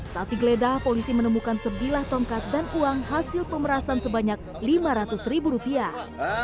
saat digeledah polisi menemukan sebilah tongkat dan uang hasil pemerasan sebanyak lima ratus ribu rupiah